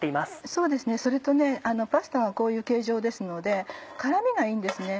そうですねそれとねパスタがこういう形状ですので絡みがいいんですね。